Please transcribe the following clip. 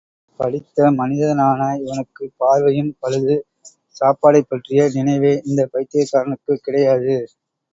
படித்த மனிதனான இவனுக்குப் பார்வையும் பழுது, சாப்பாடைப் பற்றிய நினைவே இந்தப் பைத்தியக்காரனுக்குக் கிடையாது.